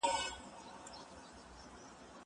زه اجازه لرم چي بوټونه پاک کړم!؟